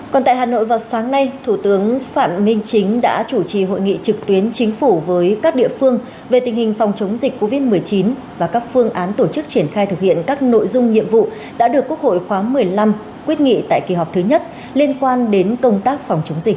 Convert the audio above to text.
còn tại hà nội vào sáng nay thủ tướng phạm minh chính đã chủ trì hội nghị trực tuyến chính phủ với các địa phương về tình hình phòng chống dịch covid một mươi chín và các phương án tổ chức triển khai thực hiện các nội dung nhiệm vụ đã được quốc hội khoáng một mươi năm quyết nghị tại kỳ họp thứ nhất liên quan đến công tác phòng chống dịch